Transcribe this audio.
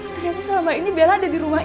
ternyata selama ini bella ada di rumah